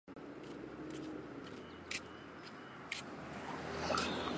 王顺友一角由邱林饰演。